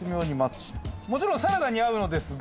もちろんサラダに合うのですが。